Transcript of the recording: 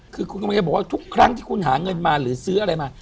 คือคุณกำลังจะบอกว่าทุกครั้งที่คุณหาเงินมาหรือซื้ออะไรมา